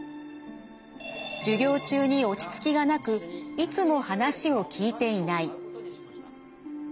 授業中に落ち着きがなくいつも話を聞いていない。